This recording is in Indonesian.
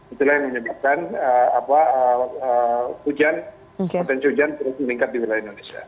itulah yang menyebabkan hujan potensi hujan terus meningkat di wilayah indonesia